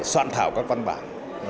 soạn thảo các văn bản